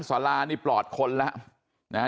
สวัสดีครับคุณผู้ชาย